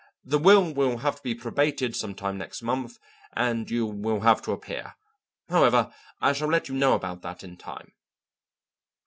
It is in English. The will will have to be probated some time next month and you will have to appear; however, I shall let you know about that in time."